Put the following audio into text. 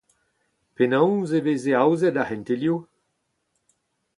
Penaos e veze aozet ar c'hentelioù ?